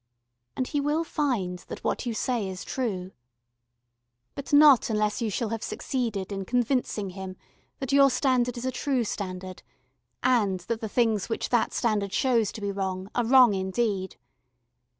And he will find that what you say is true. But not unless you shall have succeeded in convincing him that your standard is a true standard, and that the things which that standard shows to be wrong are wrong indeed.